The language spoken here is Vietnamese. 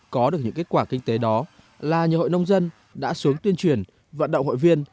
có được những kết quả kinh tế đó là nhiều hội nông dân đã xuống tuyên truyền vận động hội viên